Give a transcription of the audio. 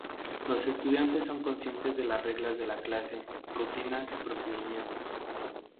Los estudiantes son conscientes de las reglas de la clase, rutinas y procedimientos.